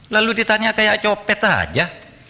lalu ditanya kayak copet aja